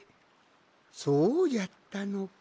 そうじゃったのか。